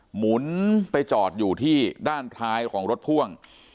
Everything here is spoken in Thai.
หมุนไปจอดอยู่ที่ด้านท้ายของรถพ่วง